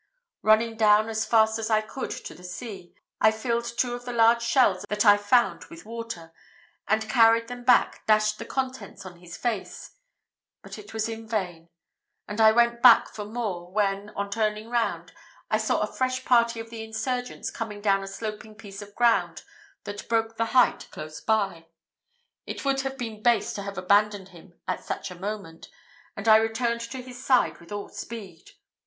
Running down as fast as I could to the sea, I filled two of the large shells that I found with water; and carrying them back, dashed the contents on his face, but it was in vain; and I went back again for more, when, on turning round, I saw a fresh party of the insurgents coming down a sloping piece of ground that broke the height close by. It would have been base to have abandoned him at such a moment, and I returned to his side with all speed.